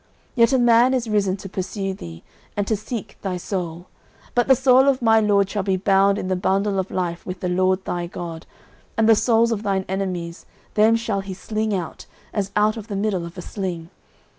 09:025:029 Yet a man is risen to pursue thee, and to seek thy soul: but the soul of my lord shall be bound in the bundle of life with the LORD thy God; and the souls of thine enemies, them shall he sling out, as out of the middle of a sling.